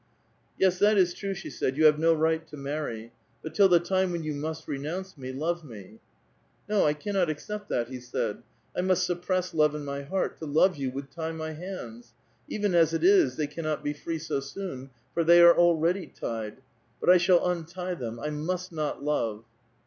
*'Yes, that is true," she said; "you have no right to marry. But till the time when you must renounce me, love me." " No, I cannot accept that," he said. " I must suppress love in my heart ; to love you would tie my hands. Even as it is, they cannot be free so soon, for they are already tied. But I shall untie them ; I must not love."